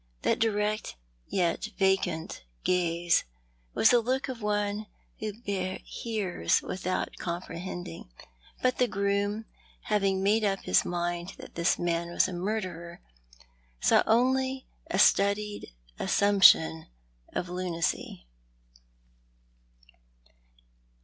That direct — yet vacant — gaze was the look of one who hears without comprehending; but the groom having made up his mind that this man was a murderer, saw only a studied assumption of lunacy.